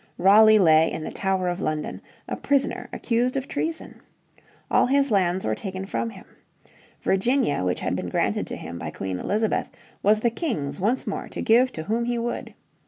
Raleigh lay in the Tower of London, a prisoner accused of treason. All his lands were taken from him. Virginia, which had been granted to him by Queen Elizabeth was the King's once more to give to whom he would.